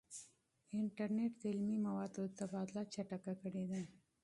انټرنیټ د علمي موادو تبادله چټکه کړې ده.